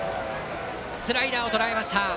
スライダーをとらえました。